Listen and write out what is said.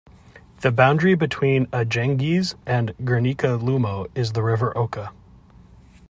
The boundary between Ajangiz and Gernika-Lumo is the River Oka.